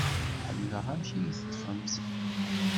Ḥemmleɣ amek i yi-teṭfemt.